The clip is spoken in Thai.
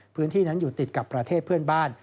พื้นที่นั้นอยู่ติดกับประเทศเพื่อนบ้าน